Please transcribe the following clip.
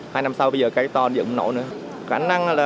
hai năm sau bây giờ cây to anh dựng không nổi nữa